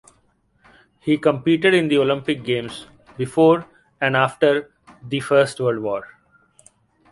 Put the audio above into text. He competed in the Olympic Games before and after the First World War.